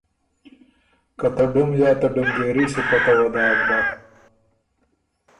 که ته ډُم یا ته ډُمګېري صُوپته وه داک بۀ۔